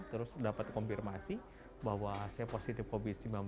terus dapat konfirmasi bahwa saya positif covid sembilan belas